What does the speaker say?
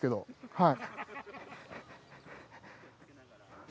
はい。